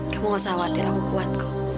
kamu gak usah khawatir aku buat kok